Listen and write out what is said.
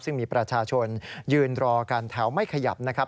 ซึ่งมีประชาชนยืนรอกันแถวไม่ขยับนะครับ